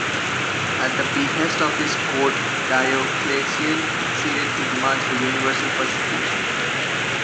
At the behest of his court, Diocletian acceded to demands for universal persecution.